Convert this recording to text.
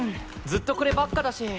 ずっとこればっかだし。